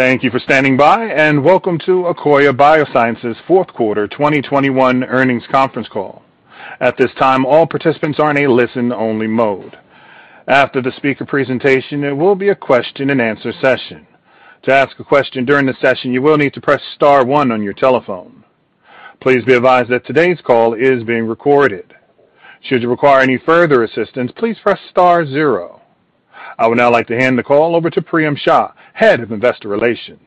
Thank you for standing by, and welcome to Akoya Biosciences Fourth Quarter 2021 Earnings Conference Call. At this time, all participants are in a listen-only mode. After the speaker presentation, there will be a question-and-answer session. To ask a question during the session, you will need to press star one on your telephone. Please be advised that today's call is being recorded. Should you require any further assistance, please press star zero. I would now like to hand the call over to Priyam Shah, Head of Investor Relations.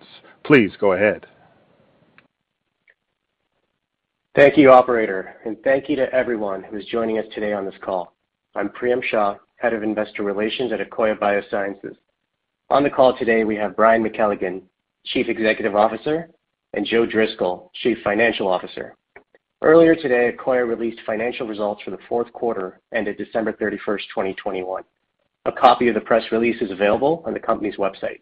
Please go ahead. Thank you operator, and thank you to everyone who is joining us today on this call. I'm Priyam Shah, Head of Investor Relations at Akoya Biosciences. On the call today, we have Brian McKelligon, Chief Executive Officer, and Joe Driscoll, Chief Financial Officer. Earlier today, Akoya released financial results for the fourth quarter ended December 31st, 2021. A copy of the press release is available on the company's website.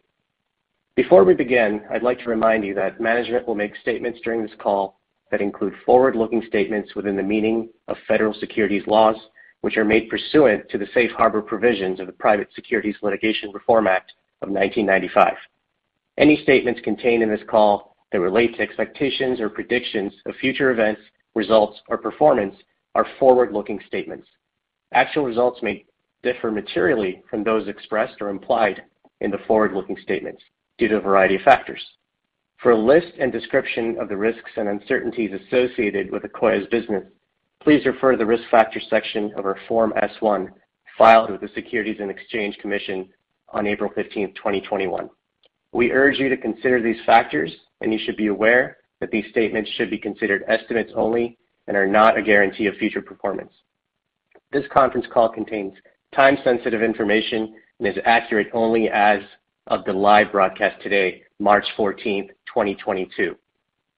Before we begin, I'd like to remind you that management will make statements during this call that include forward-looking statements within the meaning of Federal securities laws, which are made pursuant to the safe harbor provisions of the Private Securities Litigation Reform Act of 1995. Any statements contained in this call that relate to expectations or predictions of future events, results or performance are forward-looking statements. Actual results may differ materially from those expressed or implied in the forward-looking statements due to a variety of factors. For a list and description of the risks and uncertainties associated with Akoya's business, please refer to the Risk Factors section of our Form S-1 filed with the Securities and Exchange Commission on April 15th, 2021. We urge you to consider these factors, and you should be aware that these statements should be considered estimates only and are not a guarantee of future performance. This conference call contains time-sensitive information and is accurate only as of the live broadcast today, March 14th, 2022.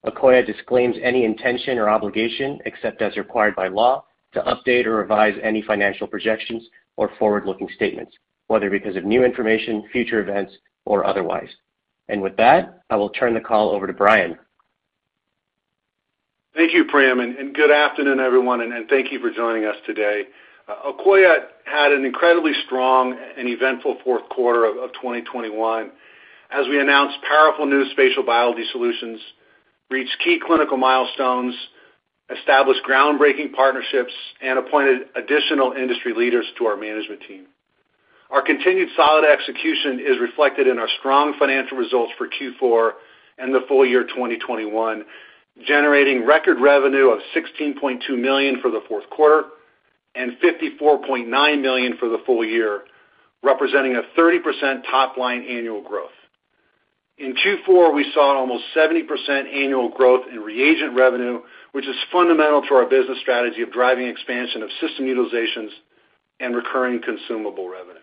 Akoya disclaims any intention or obligation, except as required by law, to update or revise any financial projections or forward-looking statements, whether because of new information, future events, or otherwise. With that, I will turn the call over to Brian. Thank you, Priyam, and good afternoon, everyone, and thank you for joining us today. Akoya had an incredibly strong and eventful fourth quarter of 2021 as we announced powerful new spatial biology solutions, reached key clinical milestones, established groundbreaking partnerships, and appointed additional industry leaders to our management team. Our continued solid execution is reflected in our strong financial results for Q4 and the full year 2021, generating record revenue of $16.2 million for the fourth quarter and $54.9 million for the full year, representing 30% top-line annual growth. In Q4, we saw almost 70% annual growth in reagent revenue, which is fundamental to our business strategy of driving expansion of system utilizations and recurring consumable revenue.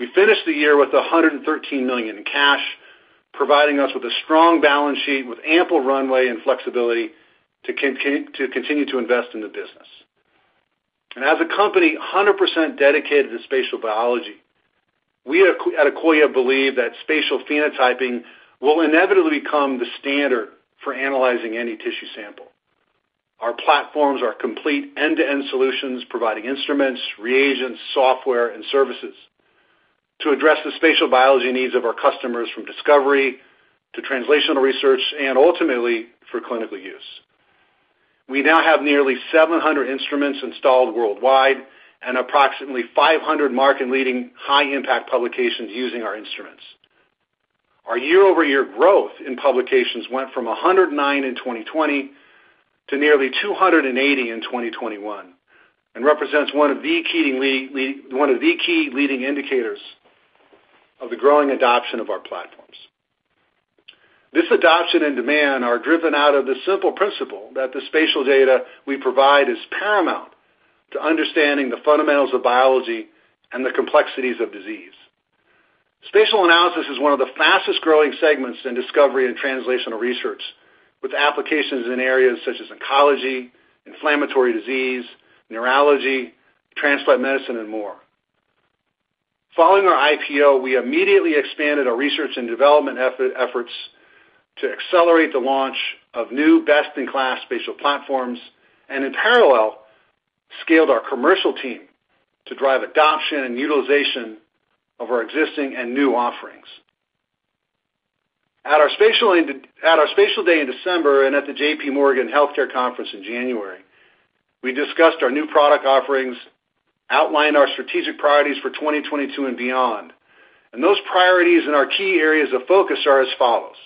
We finished the year with $113 million in cash, providing us with a strong balance sheet with ample runway and flexibility to continue to invest in the business. As a company 100% dedicated to spatial biology, we at Akoya believe that spatial phenotyping will inevitably become the standard for analyzing any tissue sample. Our platforms are complete end-to-end solutions providing instruments, reagents, software, and services to address the spatial biology needs of our customers from discovery to translational research and ultimately for clinical use. We now have nearly 700 instruments installed worldwide and approximately 500 market-leading high-impact publications using our instruments. Our year-over-year growth in publications went from 109 in 2020 to nearly 280 in 2021 and represents one of the key leading indicators of the growing adoption of our platforms. This adoption and demand are driven out of the simple principle that the spatial data we provide is paramount to understanding the fundamentals of biology and the complexities of disease. Spatial analysis is one of the fastest-growing segments in discovery and translational research, with applications in areas such as oncology, inflammatory disease, neurology, transplant medicine, and more. Following our IPO, we immediately expanded our research and development efforts to accelerate the launch of new best-in-class spatial platforms and, in parallel, scaled our commercial team to drive adoption and utilization of our existing and new offerings. At our Spatial Day in December and at the JPMorgan Healthcare Conference in January, we discussed our new product offerings, outlined our strategic priorities for 2022 and beyond. Those priorities and our key areas of focus are as follows.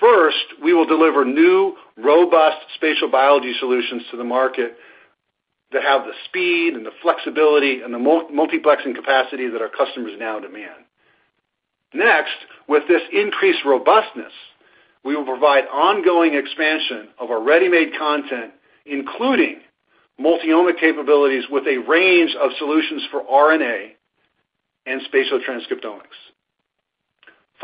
First, we will deliver new, robust spatial biology solutions to the market that have the speed and the flexibility and the multiplexing capacity that our customers now demand. Next, with this increased robustness, we will provide ongoing expansion of our ready-made content, including multi-omic capabilities with a range of solutions for RNA and spatial transcriptomics.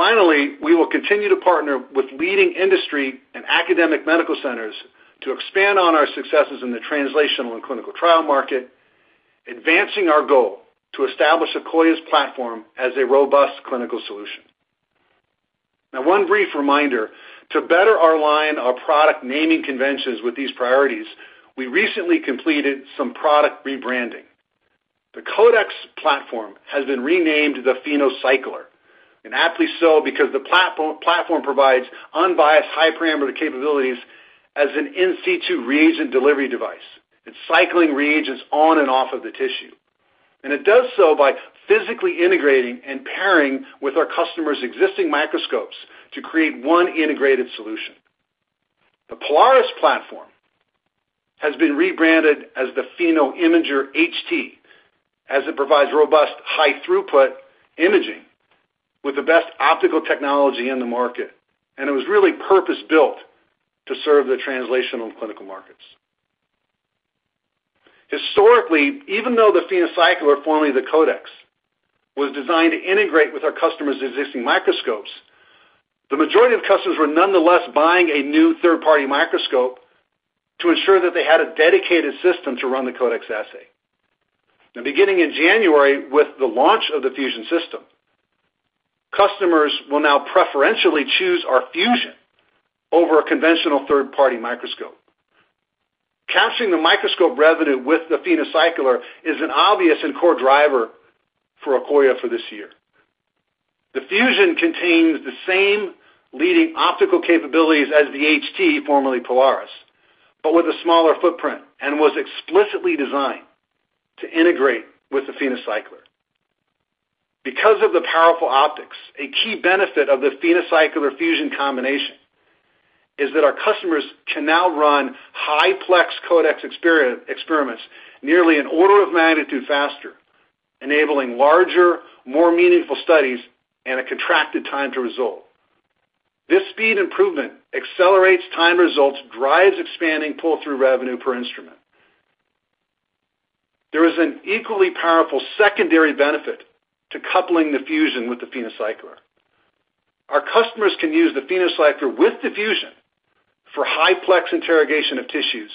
Finally, we will continue to partner with leading industry and academic medical centers to expand on our successes in the translational and clinical trial market, advancing our goal to establish Akoya's platform as a robust clinical solution. Now, one brief reminder, to better align our product naming conventions with these priorities, we recently completed some product rebranding. The CODEX platform has been renamed the PhenoCycler, and aptly so, because the platform provides unbiased, high parameter capabilities as an in situ reagent delivery device. It's cycling reagents on and off of the tissue, and it does so by physically integrating and pairing with our customers' existing microscopes to create one integrated solution. The Polaris platform has been rebranded as the PhenoImager HT, as it provides robust, high throughput imaging with the best optical technology in the market, and it was really purpose-built to serve the translational and clinical markets. Historically, even though the PhenoCycler, formerly the CODEX, was designed to integrate with our customers' existing microscopes, the majority of customers were nonetheless buying a new third-party microscope to ensure that they had a dedicated system to run the CODEX assay. Beginning in January with the launch of the Fusion System, customers will now preferentially choose our Fusion over a conventional third-party microscope. Capturing the microscope revenue with the PhenoCycler is an obvious and core driver for Akoya for this year. The Fusion contains the same leading optical capabilities as the HT, formerly Polaris, but with a smaller footprint, and was explicitly designed to integrate with the PhenoCycler. Because of the powerful optics, a key benefit of the PhenoCycler-Fusion combination is that our customers can now run high-plex CODEX experiments nearly an order of magnitude faster, enabling larger, more meaningful studies, and a contracted time to results. This speed improvement accelerates time to results, drives expanding pull-through revenue per instrument. There is an equally powerful secondary benefit to coupling the Fusion with the PhenoCycler. Our customers can use the PhenoCycler with the Fusion for high-plex interrogation of tissues,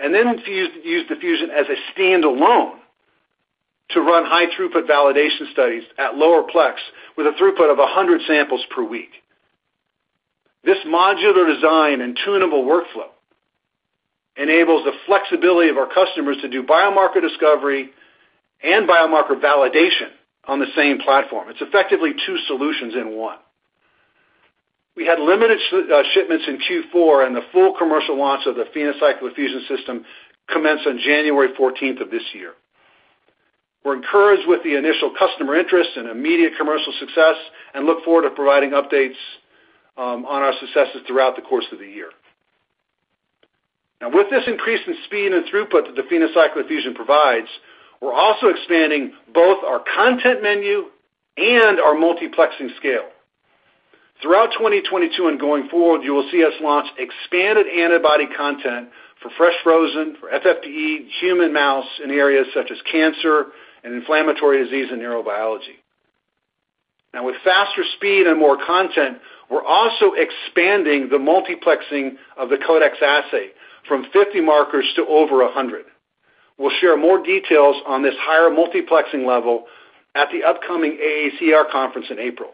and then use the Fusion as a stand-alone to run high-throughput validation studies at lower-plex with a throughput of 100 samples per week. This modular design and tunable workflow enables the flexibility of our customers to do biomarker discovery and biomarker validation on the same platform. It's effectively two solutions in one. We had limited shipments in Q4, and the full commercial launch of the PhenoCycler-Fusion System commenced on January 14th of this year. We're encouraged with the initial customer interest and immediate commercial success and look forward to providing updates on our successes throughout the course of the year. Now, with this increase in speed and throughput that the PhenoCycler-Fusion provides, we're also expanding both our content menu and our multiplexing scale. Throughout 2022 and going forward, you will see us launch expanded antibody content for fresh frozen, for FFPE, human, mouse in areas such as cancer and inflammatory disease and neurobiology. Now with faster speed and more content, we're also expanding the multiplexing of the CODEX assay from 50 markers to over 100. We'll share more details on this higher multiplexing level at the upcoming AACR conference in April.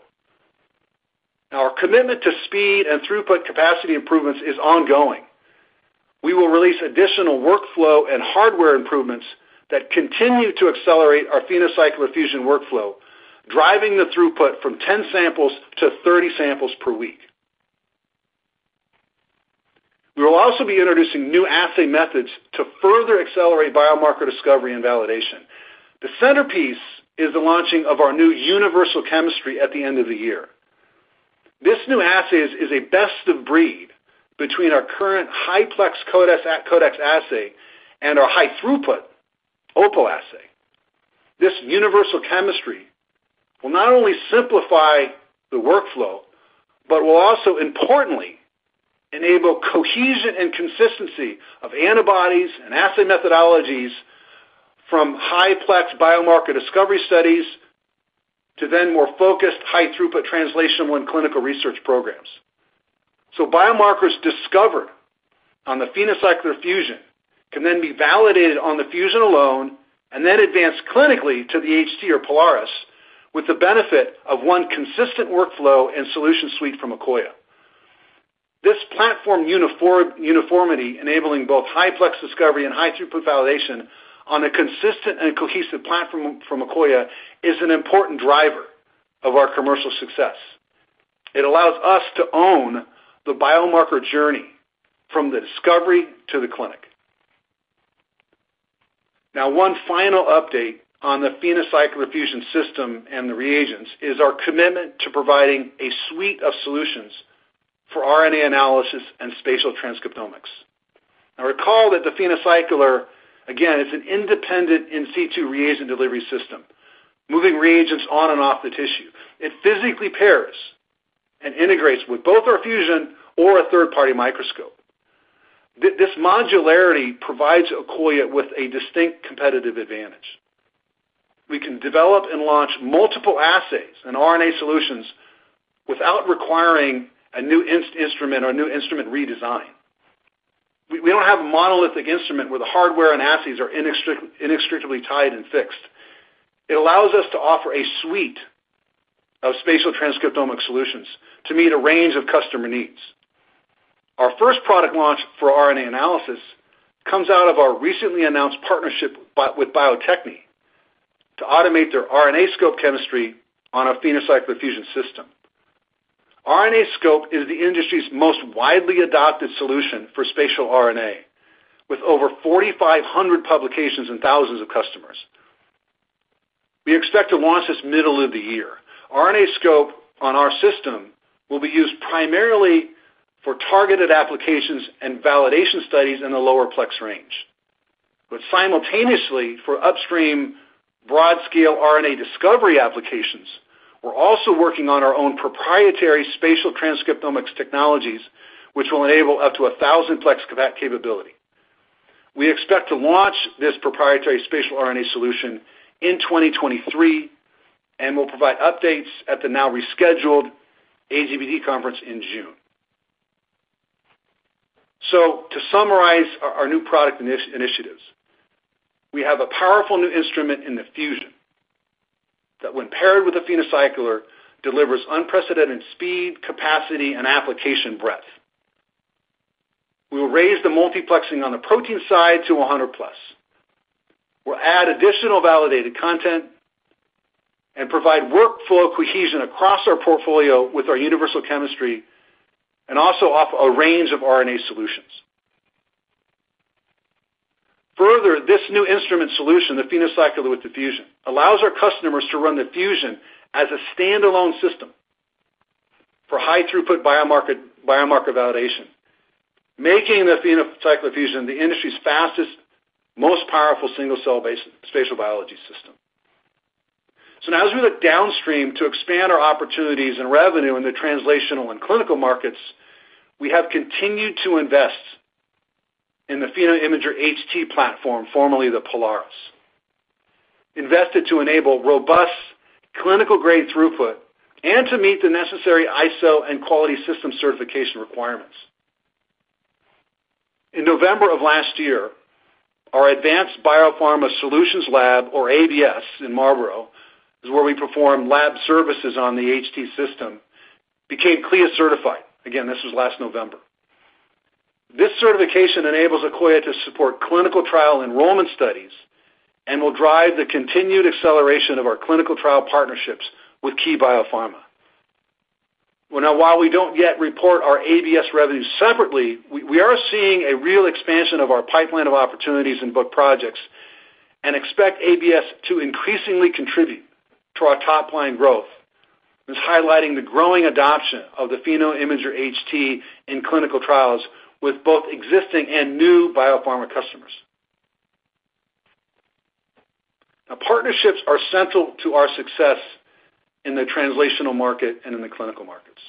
Now, our commitment to speed and throughput capacity improvements is ongoing. We will release additional workflow and hardware improvements that continue to accelerate our PhenoCycler-Fusion workflow, driving the throughput from 10 samples-30 samples per week. We will also be introducing new assay methods to further accelerate biomarker discovery and validation. The centerpiece is the launching of our new universal chemistry at the end of the year. This new assay is a best of breed between our current high plex CODEX assay and our high throughput Opal assay. This universal chemistry will not only simplify the workflow, but will also importantly enable cohesion and consistency of antibodies and assay methodologies from high plex biomarker discovery studies to then more focused high throughput translational and clinical research programs. Biomarkers discovered on the PhenoCycler-Fusion can then be validated on the Fusion alone and then advanced clinically to the HT or Polaris with the benefit of one consistent workflow and solution suite from Akoya. This platform uniformity enabling both high plex discovery and high throughput validation on a consistent and cohesive platform from Akoya is an important driver of our commercial success. It allows us to own the biomarker journey from the discovery to the clinic. Now, one final update on the PhenoCycler-Fusion System and the reagents is our commitment to providing a suite of solutions for RNA analysis and spatial transcriptomics. Now recall that the PhenoCycler, again, is an independent in situ reagent delivery system, moving reagents on and off the tissue. It physically pairs and integrates with both our Fusion or a third-party microscope. This modularity provides Akoya with a distinct competitive advantage. We can develop and launch multiple assays and RNA solutions without requiring a new instrument or a new instrument redesign. We don't have a monolithic instrument where the hardware and assays are inextricably tied and fixed. It allows us to offer a suite of spatial transcriptomic solutions to meet a range of customer needs. Our first product launch for RNA analysis comes out of our recently announced partnership with Bio-Techne to automate their RNAscope chemistry on a PhenoCycler-Fusion System. RNAscope is the industry's most widely adopted solution for spatial RNA, with over 4,500 publications and thousands of customers. We expect to launch this middle of the year. RNAscope on our system will be used primarily for targeted applications and validation studies in the lower plex range. Simultaneously, for upstream broad-scale RNA discovery applications, we're also working on our own proprietary spatial transcriptomics technologies, which will enable up to 1,000 plex capability. We expect to launch this proprietary spatial RNA solution in 2023, and we'll provide updates at the now rescheduled AGBT conference in June. To summarize our new product initiatives, we have a powerful new instrument in the Fusion, that when paired with the PhenoCycler, delivers unprecedented speed, capacity, and application breadth. We will raise the multiplexing on the protein side to 100+. We'll add additional validated content and provide workflow cohesion across our portfolio with our universal chemistry, and also offer a range of RNA solutions. Further, this new instrument solution, the PhenoCycler with the Fusion, allows our customers to run the Fusion as a standalone system for high throughput biomarker validation, making the PhenoCycler-Fusion the industry's fastest, most powerful single-cell based spatial biology system. Now as we look downstream to expand our opportunities and revenue in the translational and clinical markets, we have continued to invest in the PhenoImager HT platform, formerly the Polaris, invested to enable robust clinical-grade throughput and to meet the necessary ISO and quality system certification requirements. In November of last year, our Advanced Biopharma Services lab, or ABS, in Marlborough, is where we perform lab services on the HT system, became CLIA certified. Again, this was last November. This certification enables Akoya to support clinical trial enrollment studies and will drive the continued acceleration of our clinical trial partnerships with key biopharma. Well now while we don't yet report our ABS revenues separately, we are seeing a real expansion of our pipeline of opportunities in both projects, and expect ABS to increasingly contribute to our top-line growth, thus highlighting the growing adoption of the PhenoImager HT in clinical trials with both existing and new biopharma customers. Now partnerships are central to our success in the translational market and in the clinical markets.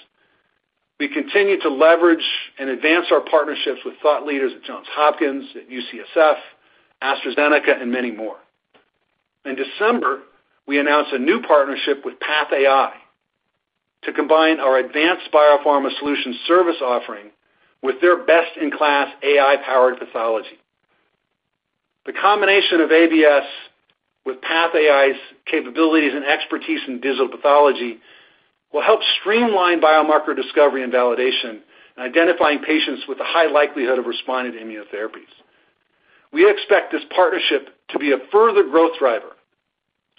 We continue to leverage and advance our partnerships with thought leaders at Johns Hopkins, at UCSF, AstraZeneca, and many more. In December, we announced a new partnership with PathAI to combine our advanced biopharma solutions service offering with their best-in-class AI-powered pathology. The combination of ABS with PathAI's capabilities and expertise in digital pathology will help streamline biomarker discovery and validation in identifying patients with a high likelihood of responding to immunotherapies. We expect this partnership to be a further growth driver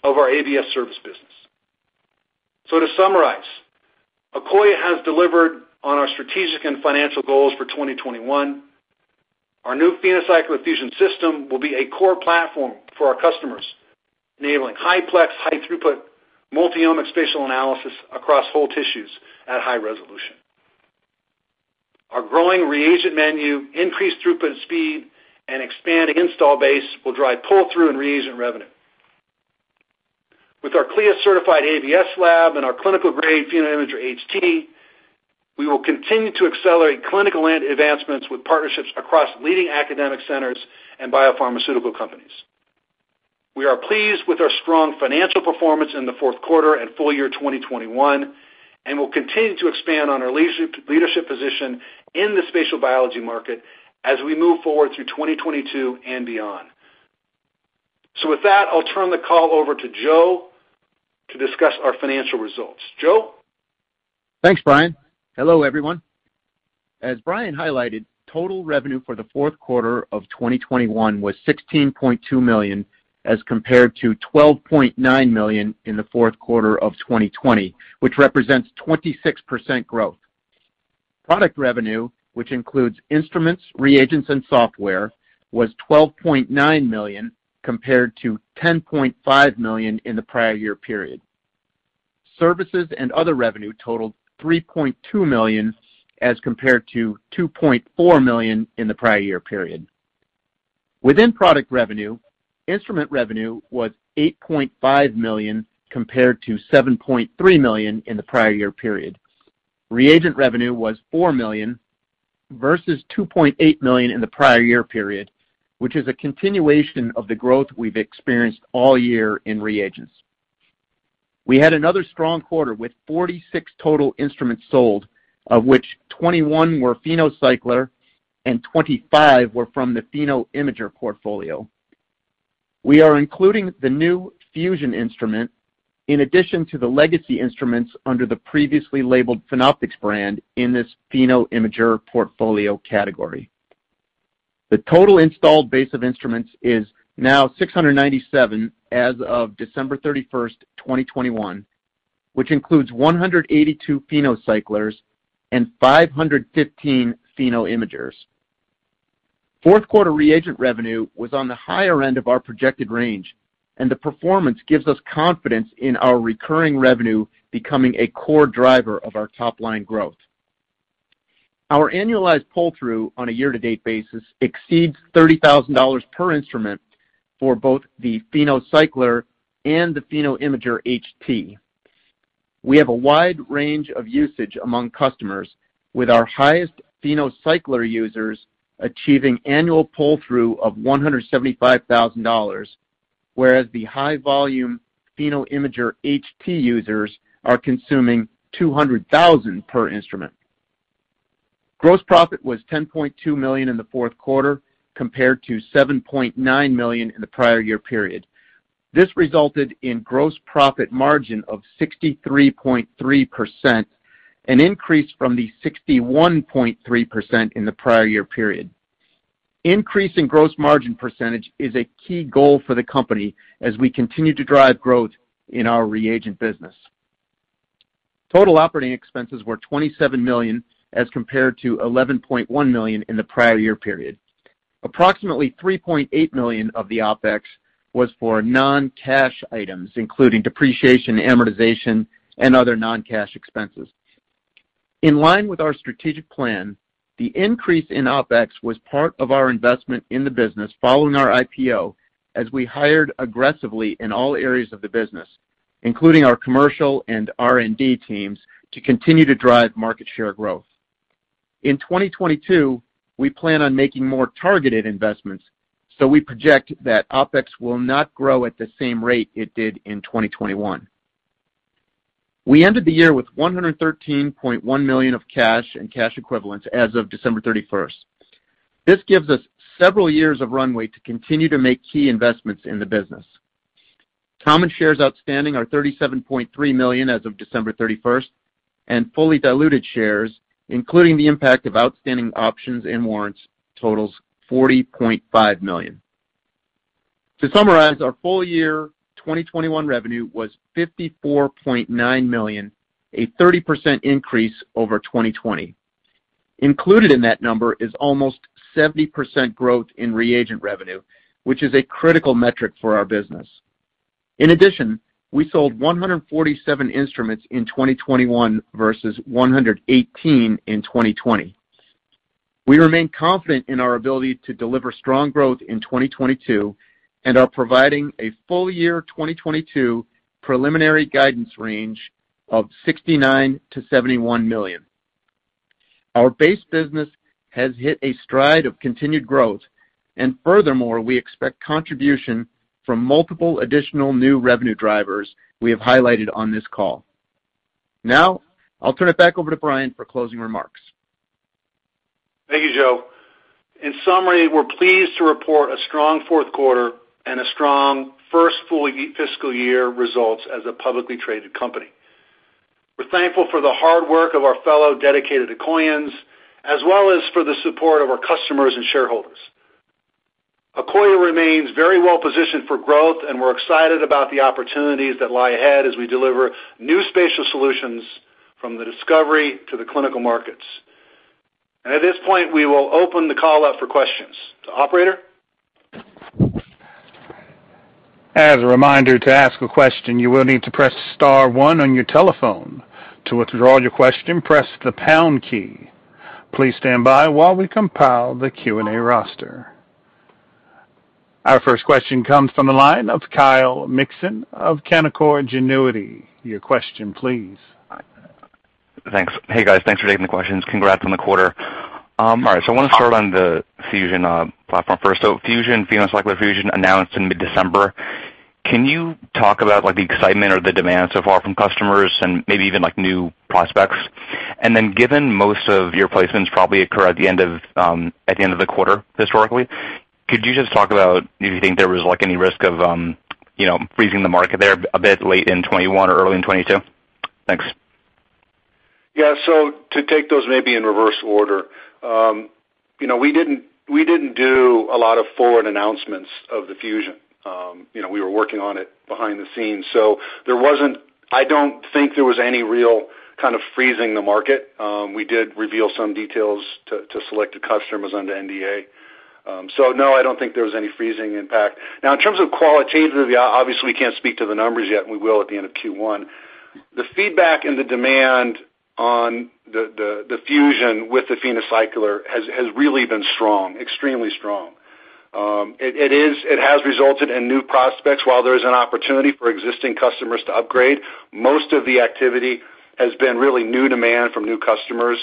of our ABS service business. To summarize, Akoya has delivered on our strategic and financial goals for 2021. Our new PhenoCycler-Fusion System will be a core platform for our customers, enabling high plex, high throughput, multiomics spatial analysis across whole tissues at high resolution. Our growing reagent menu, increased throughput speed, and expanding install base will drive pull-through in reagent revenue. With our CLIA-certified ABS lab and our clinical-grade PhenoImager HT, we will continue to accelerate clinical end advancements with partnerships across leading academic centers and biopharmaceutical companies. We are pleased with our strong financial performance in the fourth quarter and full year 2021, and will continue to expand on our leadership position in the spatial biology market as we move forward through 2022 and beyond. With that, I'll turn the call over to Joe to discuss our financial results. Joe? Thanks, Brian. Hello, everyone. As Brian highlighted, total revenue for the fourth quarter of 2021 was $16.2 million, as compared to $12.9 million in the fourth quarter of 2020, which represents 26% growth. Product revenue, which includes instruments, reagents, and software, was $12.9 million, compared to $10.5 million in the prior year period. Services and other revenue totaled $3.2 million, as compared to $2.4 million in the prior year period. Within product revenue, instrument revenue was $8.5 million, compared to $7.3 million in the prior year period. Reagent revenue was $4 million, versus $2.8 million in the prior year period, which is a continuation of the growth we've experienced all year in reagents. We had another strong quarter with 46 total instruments sold, of which 21 were PhenoCycler and 25 were from the PhenoImager portfolio. We are including the new Fusion instrument in addition to the legacy instruments under the previously labeled Phenoptics brand in this PhenoImager portfolio category. The total installed base of instruments is now 697 as of December 31st, 2021, which includes 182 PhenoCyclers and 515 PhenoImagers. Fourth quarter reagent revenue was on the higher end of our projected range, and the performance gives us confidence in our recurring revenue becoming a core driver of our top-line growth. Our annualized pull-through on a year-to-date basis exceeds $30,000 per instrument for both the PhenoCycler and the PhenoImager HT. We have a wide range of usage among customers, with our highest PhenoCycler users achieving annual pull-through of $175,000, whereas the high volume PhenoImager HT users are consuming $200,000 per instrument. Gross profit was $10.2 million in the fourth quarter compared to $7.9 million in the prior year period. This resulted in gross profit margin of 63.3%, an increase from the 61.3% in the prior year period. Increase in gross margin percentage is a key goal for the company as we continue to drive growth in our reagent business. Total operating expenses were $27 million as compared to $11.1 million in the prior year period. Approximately $3.8 million of the OpEx was for non-cash items, including depreciation, amortization, and other non-cash expenses. In line with our strategic plan, the increase in OpEx was part of our investment in the business following our IPO as we hired aggressively in all areas of the business, including our commercial and R&D teams, to continue to drive market share growth. In 2022, we plan on making more targeted investments, so we project that OpEx will not grow at the same rate it did in 2021. We ended the year with $113.1 million of cash and cash equivalents as of December 31st. This gives us several years of runway to continue to make key investments in the business. Common shares outstanding are 37.3 million as of December 31st, and fully diluted shares, including the impact of outstanding options and warrants, totals 40.5 million. To summarize, our full year 2021 revenue was $54.9 million, a 30% increase over 2020. Included in that number is almost 70% growth in reagent revenue, which is a critical metric for our business. In addition, we sold 147 instruments in 2021 versus 118 in 2020. We remain confident in our ability to deliver strong growth in 2022 and are providing a full year 2022 preliminary guidance range of $69 million-$71 million. Our base business has hit a stride of continued growth, and furthermore, we expect contribution from multiple additional new revenue drivers we have highlighted on this call. Now, I'll turn it back over to Brian for closing remarks. Thank you, Joe. In summary, we're pleased to report a strong fourth quarter and a strong first full fiscal year results as a publicly traded company. We're thankful for the hard work of our fellow dedicated Akoyans, as well as for the support of our customers and shareholders. Akoya remains very well positioned for growth, and we're excited about the opportunities that lie ahead as we deliver new spatial solutions from the discovery to the clinical markets. At this point, we will open the call up for questions. Operator? As a reminder, to ask a question, you will need to press star one on your telephone. To withdraw your question, press the pound key. Please stand by while we compile the Q&A roster. Our first question comes from the line of Kyle Mikson of Canaccord Genuity. Your question, please. Thanks. Hey, guys. Thanks for taking the questions. Congrats on the quarter. All right, I want to start on the Fusion platform first. Fusion, PhenoCycler-Fusion announced in mid-December. Can you talk about, like, the excitement or the demand so far from customers and maybe even, like, new prospects? Then given most of your placements probably occur at the end of the quarter historically, could you just talk about if you think there was, like, any risk of, you know, freezing the market there a bit late in 2021 or early in 2022? Thanks. Yeah. To take those maybe in reverse order, you know, we didn't do a lot of forward announcements of the Fusion. You know, we were working on it behind the scenes, so there wasn't. I don't think there was any real kind of freezing the market. We did reveal some details to selected customers under NDA. So no, I don't think there was any freezing impact. Now, in qualitative terms, obviously, we can't speak to the numbers yet, and we will at the end of Q1. The feedback and the demand on the Fusion with the PhenoCycler has really been strong, extremely strong. It has resulted in new prospects. While there is an opportunity for existing customers to upgrade, most of the activity has been really new demand from new customers.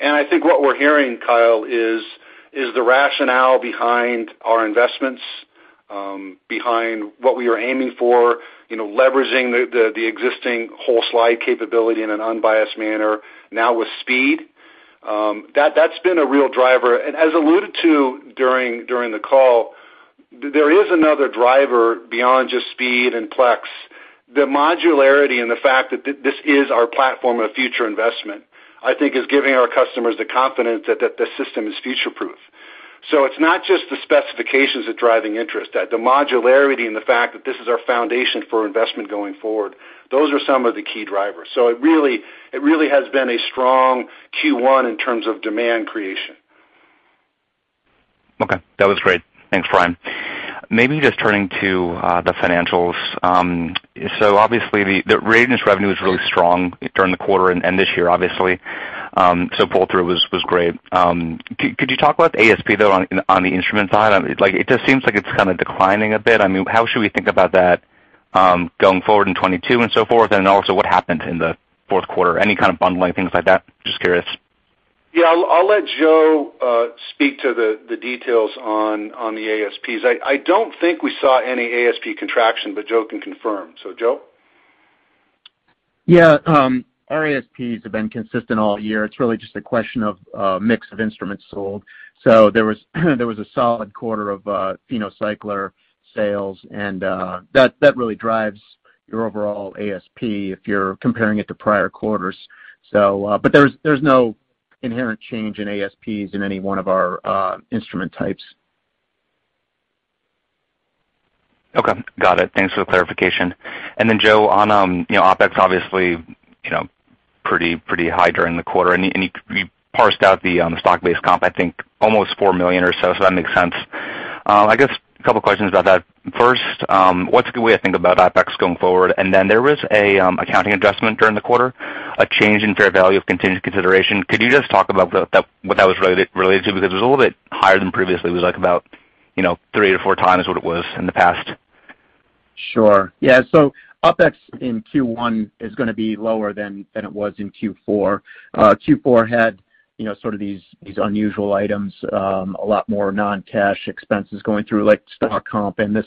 I think what we're hearing, Kyle, is the rationale behind our investments behind what we are aiming for, you know, leveraging the existing whole slide capability in an unbiased manner now with speed. That's been a real driver. As alluded to during the call, there is another driver beyond just speed and plex. The modularity and the fact that this is our platform of future investment, I think is giving our customers the confidence that the system is future-proof. It's not just the specifications that driving interest, the modularity and the fact that this is our foundation for investment going forward, those are some of the key drivers. It really has been a strong Q1 in terms of demand creation. Okay, that was great. Thanks, Brian. Maybe just turning to the financials. So obviously, the reagent revenue is really strong during the quarter and this year, obviously. So pull-through was great. Could you talk about ASP, though, on the instrument side? I mean, like, it just seems like it's kind of declining a bit. I mean, how should we think about that going forward in 2022 and so forth? Also what happened in the fourth quarter? Any kind of bundling, things like that? Just curious. Yeah. I'll let Joe speak to the details on the ASPs. I don't think we saw any ASP contraction, but Joe can confirm. Joe? Yeah. Our ASPs have been consistent all year. It's really just a question of a mix of instruments sold. There was a solid quarter of PhenoCycler sales, and that really drives your overall ASP if you're comparing it to prior quarters. But there's no inherent change in ASPs in any one of our instrument types. Okay. Got it. Thanks for the clarification. Then, Joe, on, you know, OpEx, obviously, you know, pretty high during the quarter, and you parsed out the stock-based comp, I think almost $4 million or so. That makes sense. I guess a couple questions about that. First, what's a good way to think about OpEx going forward? Then there was an accounting adjustment during the quarter, a change in fair value of contingent consideration. Could you just talk about what that was related to? Because it was a little bit higher than previously. It was like about, you know, 3x-4x what it was in the past. Sure. Yeah. OpEx in Q1 is gonna be lower than it was in Q4. Q4 had, you know, sort of these unusual items, a lot more non-cash expenses going through, like stock comp and this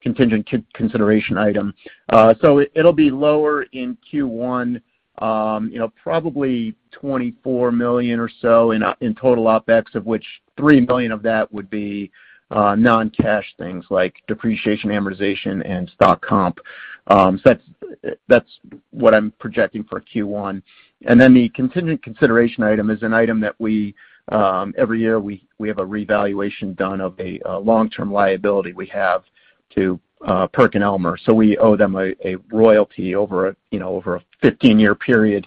contingent consideration item. It'll be lower in Q1, you know, probably $24 million or so in total OpEx, of which $3 million of that would be non-cash things like depreciation, amortization, and stock comp. That's what I'm projecting for Q1. Then the contingent consideration item is an item that we every year have a revaluation done of a long-term liability we have to PerkinElmer. We owe them a royalty over a 15-year period.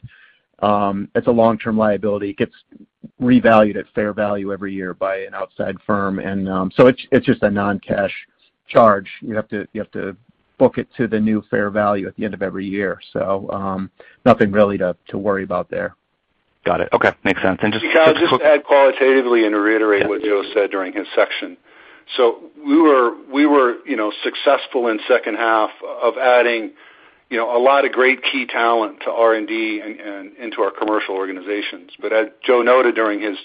It's a long-term liability. It gets revalued at fair value every year by an outside firm. It's just a non-cash charge. You have to book it to the new fair value at the end of every year. Nothing really to worry about there. Got it. Okay. Makes sense. Just- Kyle, just to add qualitatively and to reiterate what Joe said during his section. We were, you know, successful in second half of adding, you know, a lot of great key talent to R&D and into our commercial organizations. As Joe noted during his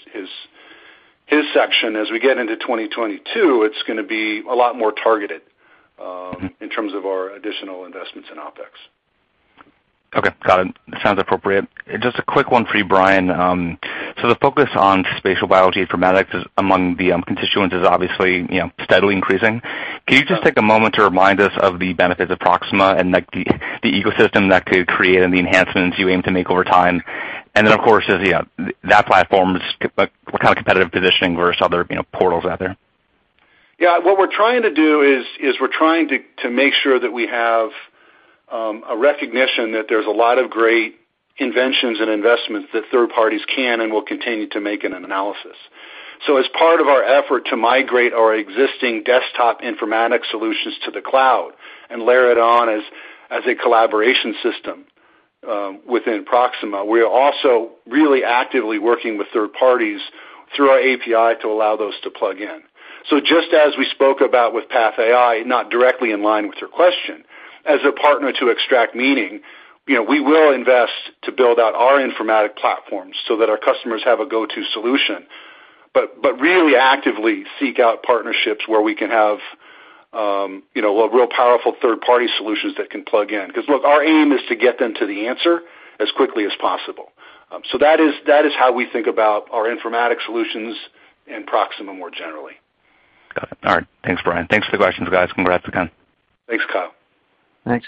section, as we get into 2022, it's gonna be a lot more targeted. Mm-hmm In terms of our additional investments in OpEx. Okay. Got it. Sounds appropriate. Just a quick one for you, Brian. So the focus on spatial biology informatics among the constituents is obviously, you know, steadily increasing. Can you just take a moment to remind us of the benefits of Proxima and, like, the ecosystem that could create and the enhancements you aim to make over time? Of course, that platform's, like, what kind of competitive positioning versus other, you know, portals out there? Yeah. What we're trying to do is we're trying to make sure that we have a recognition that there's a lot of great inventions and investments that third parties can and will continue to make in an analysis. So as part of our effort to migrate our existing desktop informatics solutions to the cloud and layer it on as a collaboration system within Proxima, we are also really actively working with third parties through our API to allow those to plug in. So just as we spoke about with PathAI, not directly in line with your question, as a partner to extract meaning, you know, we will invest to build out our informatic platforms so that our customers have a go-to solution, but really actively seek out partnerships where we can have, you know, a real powerful third-party solutions that can plug in. Because, look, our aim is to get them to the answer as quickly as possible. That is how we think about our informatics solutions and Proxima more generally. Got it. All right. Thanks, Brian. Thanks for the questions, guys. Congrats again. Thanks, Kyle. Thanks.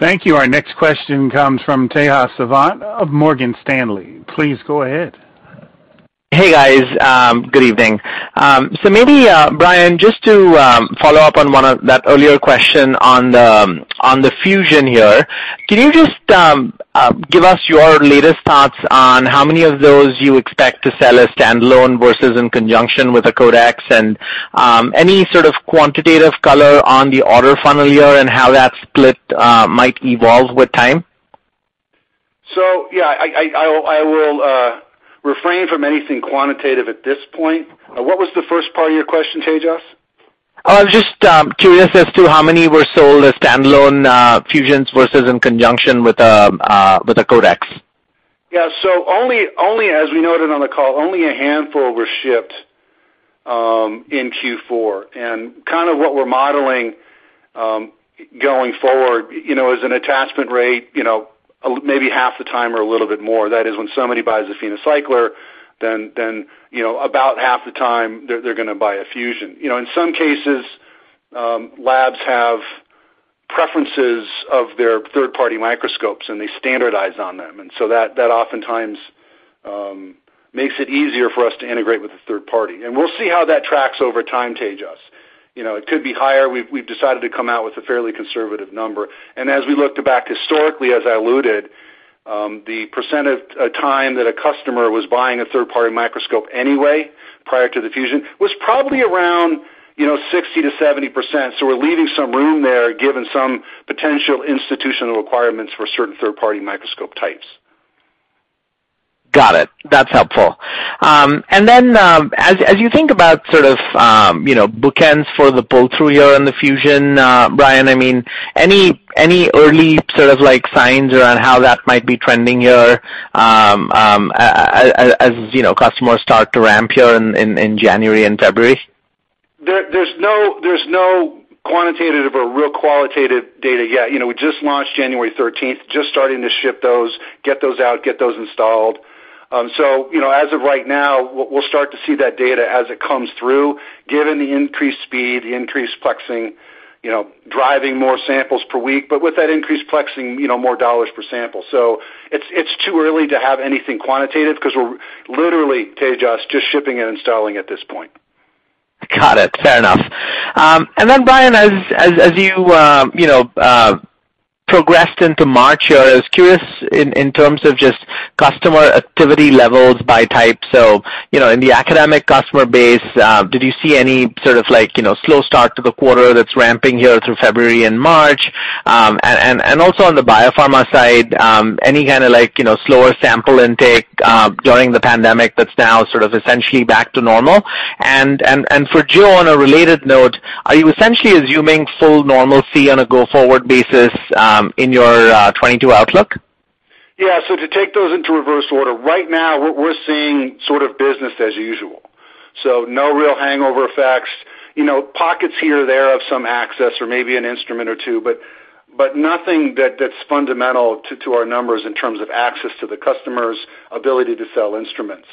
Thank you. Our next question comes from Tejas Savant of Morgan Stanley. Please go ahead. Hey, guys. Good evening. Maybe, Brian, just to give us your latest thoughts on how many of those you expect to sell as standalone versus in conjunction with the CODEX and any sort of quantitative color on the order funnel here and how that split might evolve with time? Yeah, I will refrain from anything quantitative at this point. What was the first part of your question, Tejas? I was just curious as to how many were sold as standalone fusions versus in conjunction with the CODEX? Yeah. Only as we noted on the call, only a handful were shipped in Q4. Kind of what we're modeling going forward, you know, as an attachment rate, you know, maybe half the time or a little bit more, that is when somebody buys a PhenoCycler, then you know, about half the time they're gonna buy a Fusion. You know, in some cases labs have preferences of their third-party microscopes, and they standardize on them. That oftentimes makes it easier for us to integrate with a third party. We'll see how that tracks over time, Tejas. You know, it could be higher. We've decided to come out with a fairly conservative number. As we looked back historically, as I alluded, the percentage of the time that a customer was buying a third-party microscope anyway prior to the Fusion was probably around 60%-70%. We're leaving some room there, given some potential institutional requirements for certain third-party microscope types. Got it. That's helpful. As you think about sort of, you know, bookends for the pull-through here and the Fusion, Brian, I mean, any early sort of like signs around how that might be trending here, as you know, customers start to ramp here in January and February? There's no quantitative or real qualitative data yet. You know, we just launched January 13th, just starting to ship those, get those out, get those installed. You know, as of right now, we'll start to see that data as it comes through, given the increased speed, the increased plexing, you know, driving more samples per week, but with that increased plexing, you know, more dollars per sample. It's too early to have anything quantitative 'cause we're literally, Tejas, just shipping and installing at this point. Got it. Fair enough. Brian, as you progressed into March, I was curious in terms of just customer activity levels by type. You know, in the academic customer base, did you see any sort of like, you know, slow start to the quarter that's ramping here through February and March? And also on the biopharma side, any kinda like, you know, slower sample intake during the pandemic that's now sort of essentially back to normal? For Gio, on a related note, are you essentially assuming full normalcy on a go-forward basis, in your 2022 outlook? Yeah. To take those into reverse order, right now we're seeing sort of business as usual, so no real hangover effects. You know, pockets here or there of some access or maybe an instrument or two, but nothing that's fundamental to our numbers in terms of access to the customers' ability to sell instruments.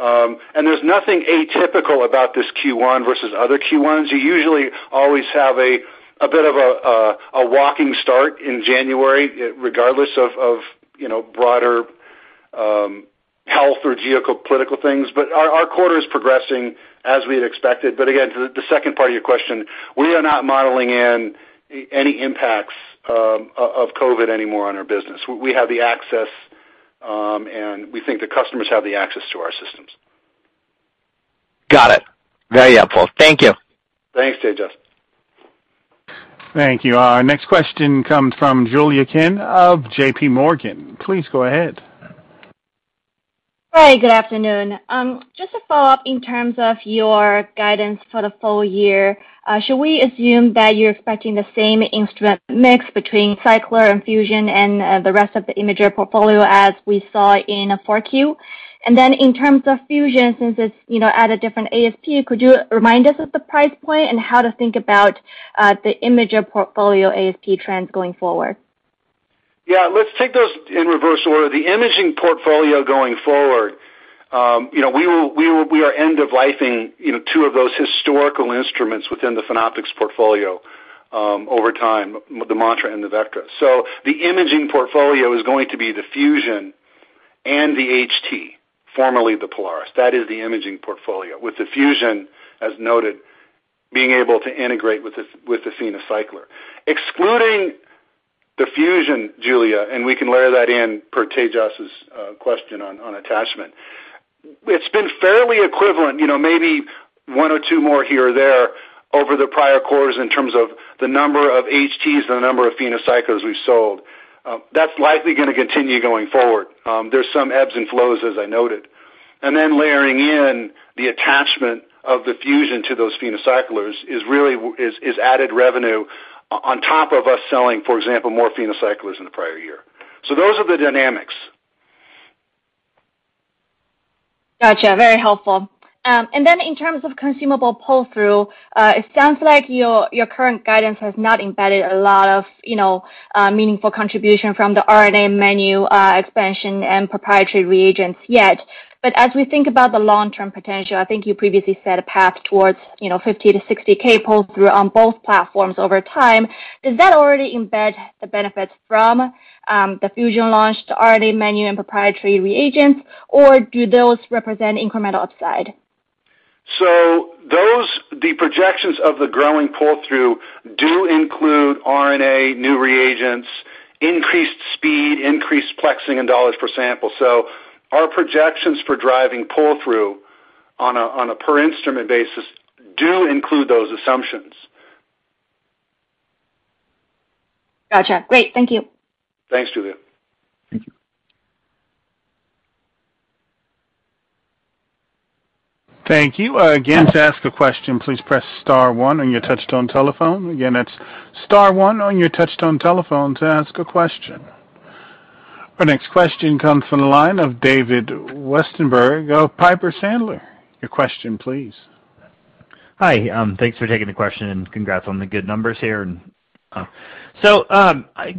And there's nothing atypical about this Q1 versus other Q1s. You usually always have a bit of a walking start in January regardless of you know, broader health or geopolitical things. Our quarter is progressing as we had expected. Again, to the second part of your question, we are not modeling in any impacts of COVID anymore on our business. We have the access, and we think the customers have the access to our systems. Got it. Very helpful. Thank you. Thanks, Tejas. Thank you. Our next question comes from Julia Kim of JPMorgan. Please go ahead. Hi, good afternoon. Just to follow up in terms of your guidance for the full year, should we assume that you're expecting the same instrument mix between Cycler and Fusion and the rest of the Imager portfolio as we saw in 4Q? Then in terms of Fusion, since it's, you know, at a different ASP, could you remind us of the price point and how to think about the Imager portfolio ASP trends going forward? Yeah, let's take those in reverse order. The imaging portfolio going forward, you know, we are end of lifing, you know, two of those historical instruments within the Phenoptics portfolio, over time, the Mantra and the Vectra. The imaging portfolio is going to be the Fusion and the HT, formerly the Polaris. That is the imaging portfolio, with the Fusion, as noted, being able to integrate with the PhenoCycler. Excluding the Fusion, Julia, and we can layer that in per Tejas's question on attachment, it's been fairly equivalent, you know, maybe one or two more here or there over the prior quarters in terms of the number of HTs and the number of PhenoCyclers we've sold. That's likely gonna continue going forward. There's some ebbs and flows, as I noted. Layering in the attachment of the Fusion to those PhenoCyclers is really added revenue on top of us selling, for example, more PhenoCyclers in the prior year. Those are the dynamics. Gotcha. Very helpful. In terms of consumable pull-through, it sounds like your current guidance has not embedded a lot of, you know, meaningful contribution from the RNA menu expansion and proprietary reagents yet. As we think about the long-term potential, I think you previously set a path towards, you know, $50,000-$60,000 pull-through on both platforms over time. Does that already embed the benefits from the Fusion launch to RNA menu and proprietary reagents, or do those represent incremental upside? Those, the projections of the growing pull-through do include RNA, new reagents, increased speed, increased plexing in dollars per sample. Our projections for driving pull-through on a per instrument basis do include those assumptions. Gotcha. Great. Thank you. Thanks, Julia. Thank you. Our next question comes from the line of David Westenberg of Piper Sandler. Your question, please. Hi. Thanks for taking the question and congrats on the good numbers here and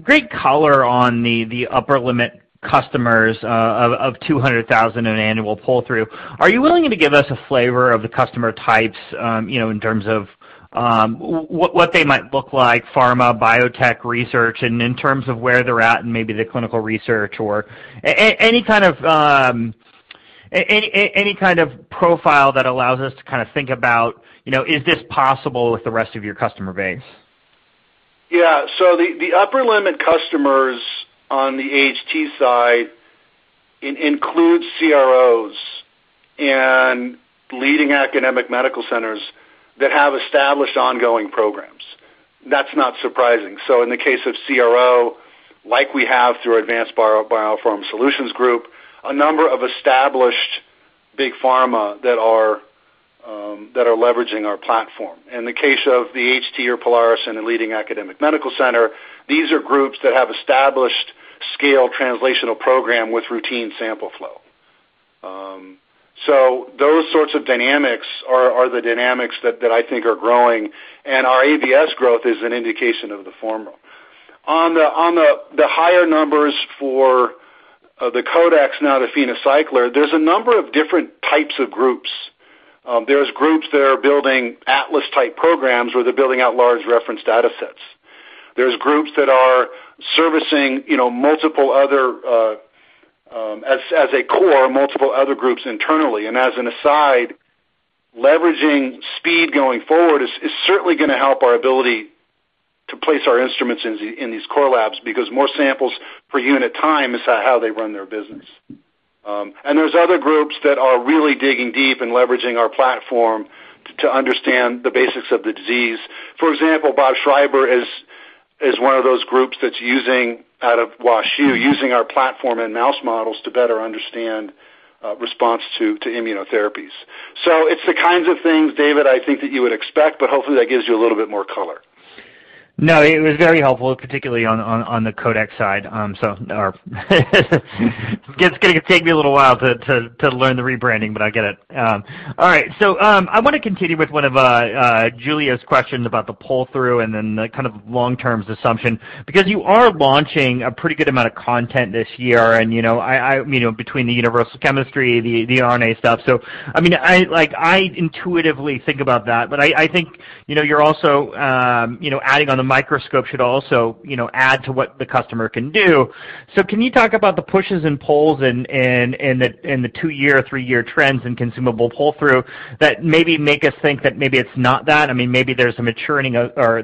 great color on the upper limit customers of 200,000 in annual pull-through. Are you willing to give us a flavor of the customer types, you know, in terms of what they might look like, pharma, biotech research and in terms of where they're at and maybe the clinical research or any kind of profile that allows us to kind of think about, you know, is this possible with the rest of your customer base? Yeah. The upper limit customers on the HT side includes CROs and leading academic medical centers that have established ongoing programs. That's not surprising. In the case of CRO, like we have through Advanced Biopharma Services Group, a number of established big pharma that are leveraging our platform. In the case of the HT or Polaris in a leading academic medical center, these are groups that have established scale translational program with routine sample flow. Those sorts of dynamics are the dynamics that I think are growing, and our ABS growth is an indication of the formula. On the higher numbers for the CODEX, now the PhenoCycler, there's a number of different types of groups. There's groups that are building atlas-type programs where they're building out large reference data sets. There's groups that are servicing, you know, multiple other, as a core, multiple other groups internally. As an aside, leveraging speed going forward is certainly gonna help our ability to place our instruments in these core labs because more samples per unit time is how they run their business. There's other groups that are really digging deep and leveraging our platform to understand the basics of the disease. For example, Bob Schreiber is one of those groups that's using out of WashU, using our platform and mouse models to better understand response to immunotherapies. It's the kinds of things, David, I think that you would expect, but hopefully that gives you a little bit more color. No, it was very helpful, particularly on the CODEX side. It's gonna take me a little while to learn the rebranding, but I get it. All right, I wanna continue with one of Julia's questions about the pull-through and then the kind of long-term assumption, because you are launching a pretty good amount of content this year. You know, between the universal chemistry, the RNA stuff. I mean, I intuitively think about that, but I think, you know, you're also adding on the microscope should also, you know, add to what the customer can do. Can you talk about the pushes and pulls in the two-year, three-year trends in consumable pull-through that maybe make us think that maybe it's not that? I mean, maybe there's a maturing or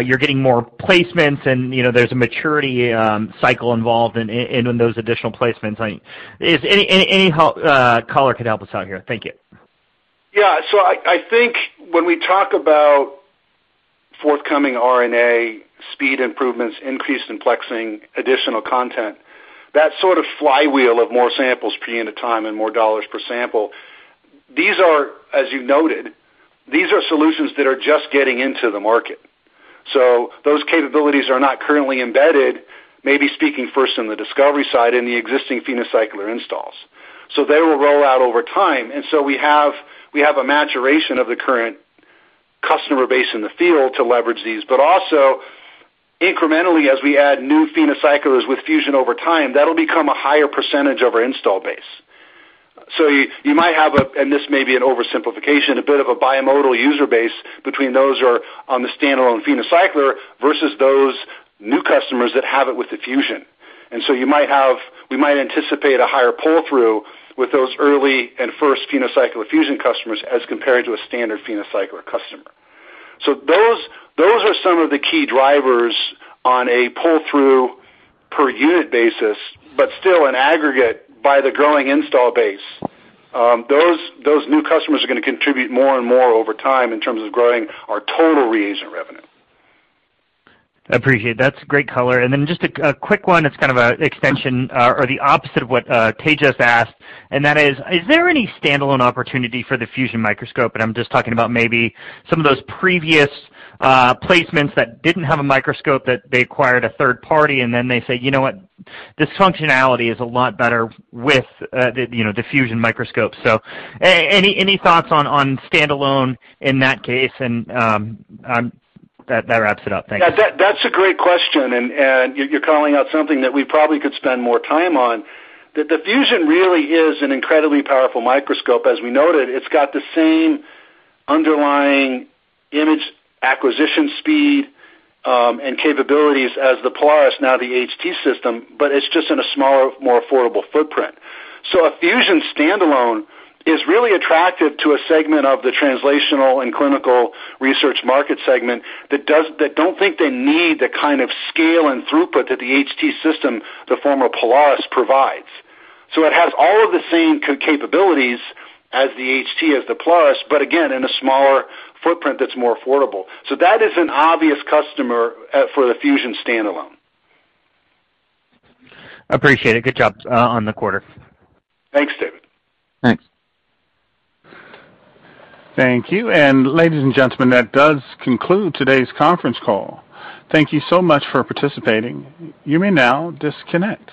you're getting more placements and, you know, there's a maturity cycle involved in those additional placements. I mean, any help or color could help us out here? Thank you. Yeah. I think when we talk about forthcoming RNA speed improvements, increase in plexing additional content, that sort of flywheel of more samples per unit of time and more dollars per sample, these are, as you noted, solutions that are just getting into the market. Those capabilities are not currently embedded, maybe speaking first in the discovery side in the existing PhenoCycler installs. They will roll out over time, and we have a maturation of the current customer base in the field to leverage these. Also incrementally, as we add new PhenoCyclers with Fusion over time, that'll become a higher percentage of our install base. You might have, and this may be an oversimplification, a bit of a multimodal user base between those who are on the standalone PhenoCycler versus those new customers that have it with the Fusion. We might anticipate a higher pull-through with those early and first PhenoCycler-Fusion customers as compared to a standard PhenoCycler customer. Those are some of the key drivers on a pull-through per unit basis, but still in aggregate by the growing installed base. Those new customers are gonna contribute more and more over time in terms of growing our total reagent revenue. I appreciate it. That's great color. Just a quick one that's kind of an extension or the opposite of what Tejas asked, and that is there any standalone opportunity for the Fusion microscope? I'm just talking about maybe some of those previous placements that didn't have a microscope that they acquired a third party, and then they say, "You know what? This functionality is a lot better with the you know the Fusion microscope." Any thoughts on standalone in that case? That wraps it up. Thank you. Yeah. That's a great question, and you're calling out something that we probably could spend more time on. The Fusion really is an incredibly powerful microscope. As we noted, it's got the same underlying image acquisition speed and capabilities as the Polaris, now the HT system, but it's just in a smaller, more affordable footprint. A Fusion standalone is really attractive to a segment of the translational and clinical research market segment that don't think they need the kind of scale and throughput that the HT system, the former Polaris, provides. It has all of the same capabilities as the HT, as the Polaris, but again, in a smaller footprint that's more affordable. That is an obvious customer for the Fusion standalone. Appreciate it. Good job on the quarter. Thanks, David. Thanks. Thank you. Ladies and gentlemen, that does conclude today's conference call. Thank you so much for participating. You may now disconnect.